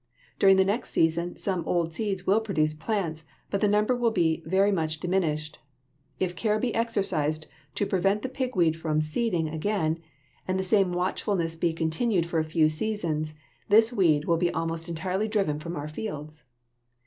During the next season some old seeds will produce plants, but the number will be very much diminished. If care be exercised to prevent the pigweed from seeding again, and the same watchfulness be continued for a few seasons, this weed will be almost entirely driven from our fields.